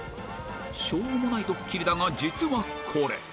しょうもないドッキリだが、実はこれ。